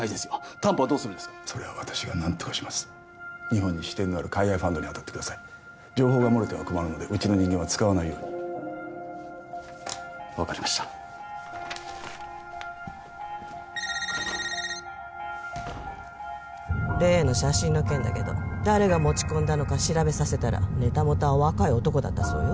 担保はどうするんですかそれは私が何とかします日本に支店のある海外ファンドに当たってください情報が漏れては困るのでうちの人間は使わないように分かりました例の写真の件だけど誰が持ち込んだのか調べさせたらネタ元は若い男だったそうよ